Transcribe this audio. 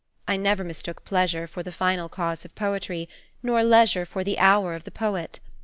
I never mistook pleasure for the final cause of poetry, nor leisure for the hour of the poet.